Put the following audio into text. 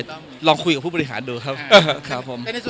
เราเลยลองคุยกับผู้บริหารดูครับ